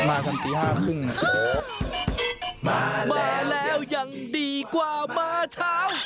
มาแล้วยังดีกว่ามาเช้า